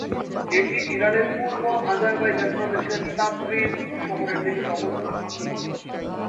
এটি ইরানের পূর্ব আজারবাইজান প্রদেশের তাবরিজ শহরের নিকটে অবস্থিত।